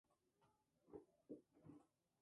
Nació en Ítaca, siendo de origen español.